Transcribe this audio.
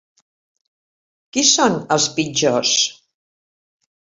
Qui són, els pitjors?